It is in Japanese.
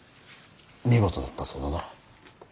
見事だったそうだな。